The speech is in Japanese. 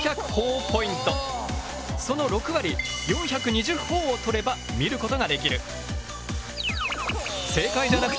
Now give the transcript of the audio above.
その６割４２０ほぉを取れば見ることができる。